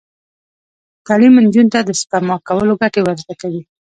تعلیم نجونو ته د سپما کولو ګټې ور زده کوي.